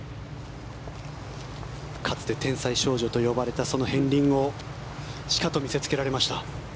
かつて天才少女と呼ばれたその片鱗をしかと見せつけられました。